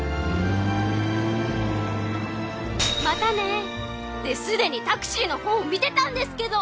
またね！ですでにタクシーのほうを見てたんですけど！